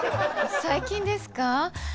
最近ですか？